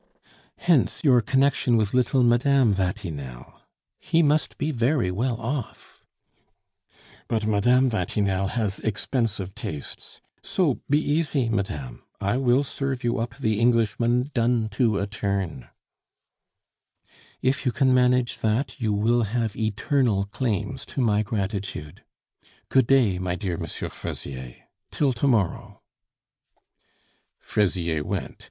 "Hence your connection with little Madame Vatinelle. He must be very well off " "But Mme. Vatinelle has expensive tastes.... So be easy, madame I will serve you up the Englishman done to a turn " "If you can manage that you will have eternal claims to my gratitude. Good day, my dear M. Fraisier. Till to morrow " Fraisier went.